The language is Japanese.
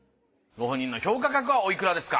ご本人の評価額はおいくらですか？